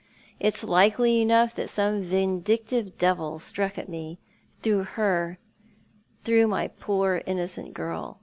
It's likely enough that some vindictive devil struck at me, through her, through my poor, innocent girl.